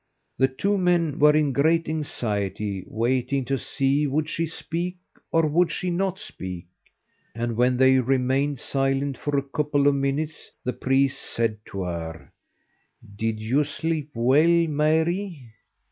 The two men were in great anxiety waiting to see would she speak, or would she not speak, and when they remained silent for a couple of minutes, the priest said to her: "Did you sleep well, Mary?"